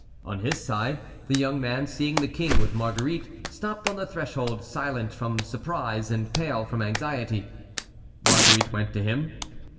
On his side, the young man, seeing the king with Marguerite, stopped on the threshold, silent from surprise and pale from anxiety. Marguerite went to him.